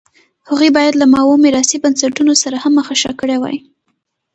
هغوی باید له ماوو میراثي بنسټونو سره هم مخه ښه کړې وای.